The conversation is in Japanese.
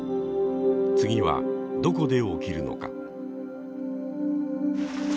次はどこで起きるのか。